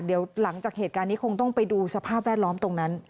เดี๋ยวหลังจากเหตุการณ์นี้คงต้องไปดูสภาพแวดล้อมตรงนั้น